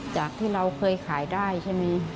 จากที่เราเคยขายได้ใช่ไหม